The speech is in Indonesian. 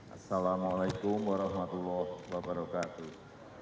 assalamu'alaikum warahmatullahi wabarakatuh